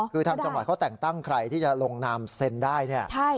คือทางจำหน่อยเขาแต่งตั้งใครที่จะลงนามเซ็นต์ได้